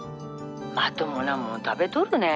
まともなもん食べとるね？